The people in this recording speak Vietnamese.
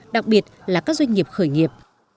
đặc biệt là các doanh nghiệp khởi nghiệp